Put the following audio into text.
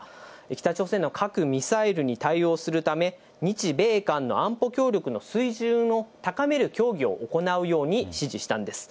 北朝鮮の核・ミサイルに対応するため、日米韓の安保協力の水準を高める協議を行うように指示したんです。